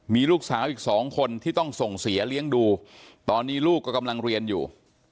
มีลูกสาวอีกสองคนที่ต้องส่งเสียเลี้ยงดูตอนนี้ลูกก็กำลังเรียนอยู่